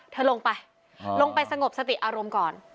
เธอลงไปลงไปสงบสติอารมณ์ก่อน